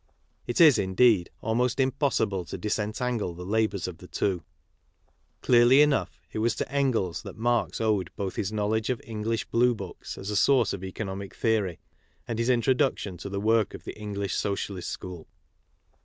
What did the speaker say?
It is, indeed, almost impossible to disentangle the labours of the twol Clearl}' enough, it was to Engels that Marx owed both his knowledge of English blue books as a source of economic theorj?^, and his introduction to the work of the English socialist school.